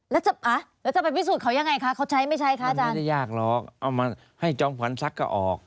แล้วจะไปวิสูจน์เขายังไงคะเขาใช้ไม่ใช้คะอาจารย์